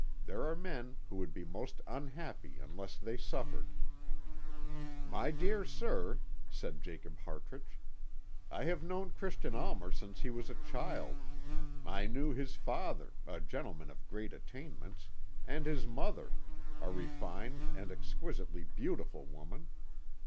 There are men who would be most unhappy unless they suffered." "My dear sir," said Jacob Hartrich, "I have known Christian Almer since he was a child. I knew his father, a gentleman of great attainments, and his mother, a refined and exquisitely beautiful woman.